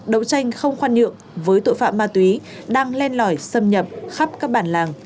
đấu tranh không khoan nhượng với tội phạm ma túy đang len lỏi xâm nhập khắp các bản làng